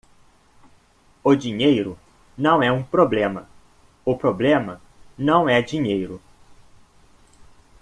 O dinheiro não é um problema, o problema não é dinheiro